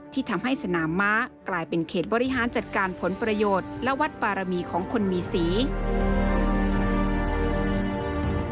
ที่ทำให้สนามม้ากลายเป็นเขตบริหารจัดการผลประโยชน์และวัดบารมีของคนมีสี